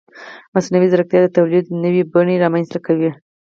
مصنوعي ځیرکتیا د تولید نوې بڼې رامنځته کوي.